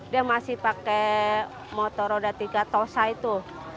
dia masih pakai motor roda tiga tosa itu